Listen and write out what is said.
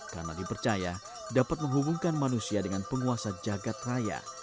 karena dipercaya dapat menghubungkan manusia dengan penguasa jagad rakyat